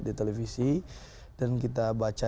di televisi dan kita baca